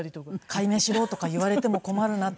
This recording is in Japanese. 改名しろとか言われても困るなと思って。